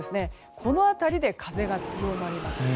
この辺りで風が強まります。